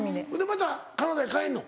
またカナダへ帰るの？